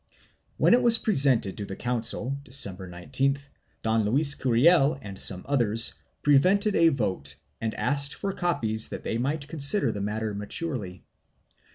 1 When it was presented to the council, December 19th, Don Luis Curiel and some others prevented a vote and asked for copies that they might consider the matter maturely.